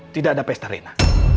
tidak ada pesta rena